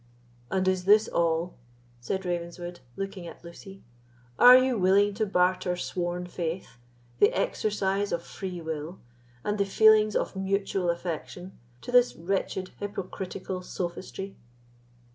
"And is this all?" said Ravenswood, looking at Lucy. "Are you willing to barter sworn faith, the exercise of free will, and the feelings of mutual affection to this wretched hypocritical sophistry?"